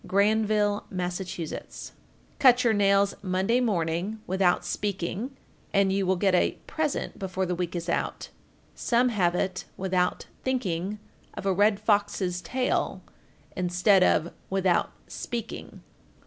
Granville, Mass. 1437. Cut your nails Monday morning, without speaking (?), and you will get a present before the week is out; some have it, "without thinking of a red fox's tail," instead of "without speaking."